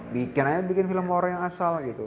bikin aja bikin film orang yang asal gitu